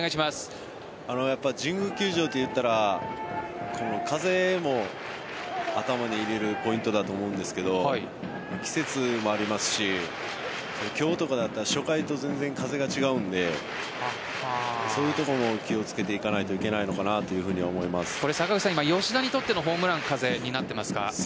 神宮球場といったら風も頭に入れるポイントだと思うんですが季節もありますし今日とかだったら初回と全然、風が違うのでそういうところも気をつけていかなければ吉田にとってのホームラン風になっていますか？